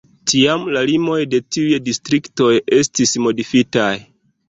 Tiam la limoj de tiuj distriktoj estis modifitaj.